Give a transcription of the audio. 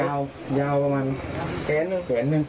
ยาวยาวประมาณแกนหนึ่ง